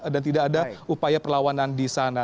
dan tidak ada upaya perlawanan di sana